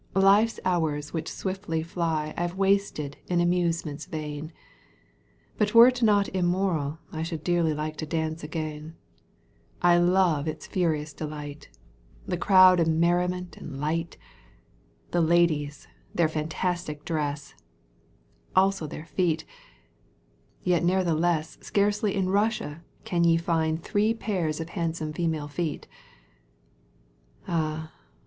life's hours which swiftly fly I've wasted in amusements vain, But were it not immoral I '1 Should dearly Like a dance again, ' I love its furious delight, The crowd and merriment and light, The ladies, their fantastic dress, Also their feet — ^yet nevertheless Scarcely in Russia can ye find Three pairs of handsome female feet ;— Ah